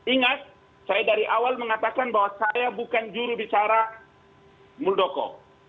ingat saya dari awal mengatakan bahwa saya bukan jurubicara muldoko